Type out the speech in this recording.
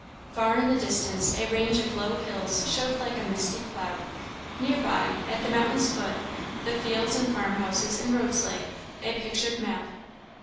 Far in the distance a range of low hills showed like a misty cloud; near by, at the mountain's foot, the fields and farmhouses and roads lay, a pictured map.